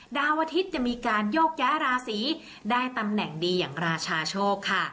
ดาวอาทิตย์จะมีการโยกย้ายราศีได้ตำแหน่งดีอย่างราชาโชคค่ะ